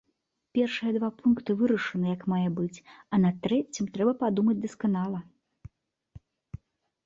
Першыя два пункты вырашаны як мае быць, а над трэцім трэба падумаць дасканала.